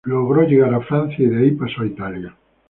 Logró llegar a Francia, y de ahí pasó a Italia.